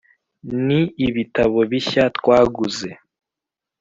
ni ibitabo bishya twaguze.